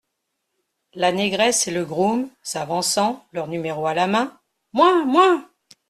La Négresse et Le Groom , s’avançant, leurs numéros à la main. — Moi ! moi !